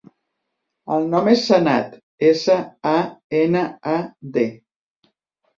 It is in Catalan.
El nom és Sanad: essa, a, ena, a, de.